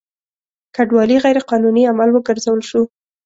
کډوالي غیر قانوني عمل وګرځول شو.